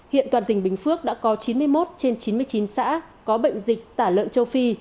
hiện toàn tỉnh bình phước đã có chín mươi một trên chín mươi chín xã có bệnh dịch tả lợn châu phi